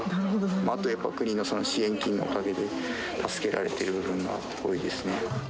あとは国の支援金のおかげで、助けられている部分が多いですね。